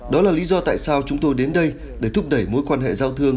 đó là lý do tại sao chúng tôi đến đây để thúc đẩy mối quan hệ giao thương